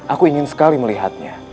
aku ingin sekali melihatnya